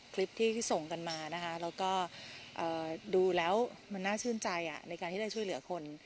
คลิปที่ส่งกันมานะคะแล้วก็ดูแล้วมันน่าชื่นใจในการที่ได้ช่วยเหลือคน